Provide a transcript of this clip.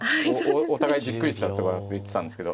お互いじっくりしたとか言ってたんですけど。